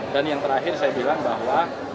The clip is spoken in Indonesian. dan yang terakhir saya bilang bahwa